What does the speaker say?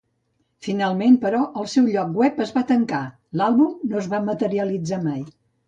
Finalment, però, el seu lloc web es va tancar, l'àlbum no es va materialitzar mai.